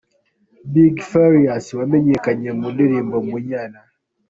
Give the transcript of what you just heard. Big Farious wamenyekanye mu ndirimbo Munyana,.